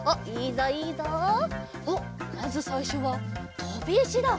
おっまずさいしょはとびいしだ。